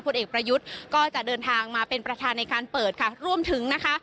เอกประยุทธ์ก็จะเดินทางมาเป็นประธานในการเปิดค่ะร่วมถึงนะคะ